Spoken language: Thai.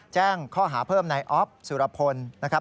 แจ้งข้อหาเพิ่มในออฟสุรพลนะครับ